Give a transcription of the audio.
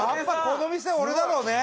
この店は俺だね。